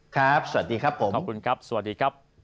สวัสดีครับผมขอบคุณครับสวัสดีครับ